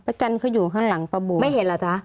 จันทร์เขาอยู่ข้างหลังประโบสไม่เห็นเหรอจ๊ะ